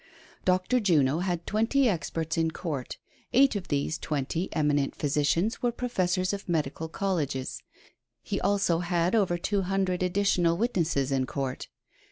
Dr. Juno had twenty experts in court ; eight of these twenty eminent physicians were professors of medical col leges ; he also had over two hundred additional witnesses in court.